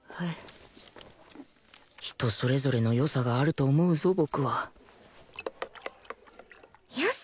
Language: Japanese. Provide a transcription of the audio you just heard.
人それぞれの良さがあると思うぞ僕はよし！